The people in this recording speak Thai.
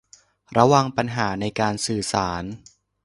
ระวังปัญหาในการสื่อสาร